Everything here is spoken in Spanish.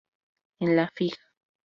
En la fig.